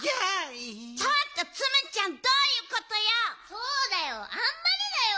そうだよあんまりだよ！